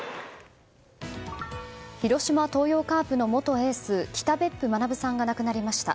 広島東洋カープの元エース北別府学さんが亡くなりました。